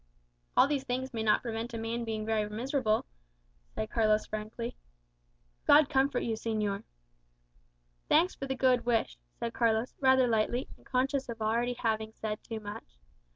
"All these things may not prevent a man being very miserable," said Carlos frankly. "God comfort you, señor." "Thanks for the good wish," said Carlos, rather lightly, and conscious of having already said too much.